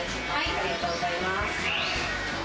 ありがとうございます。